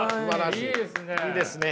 いいですね。